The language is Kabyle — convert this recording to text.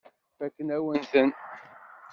Fakken-awen-ten.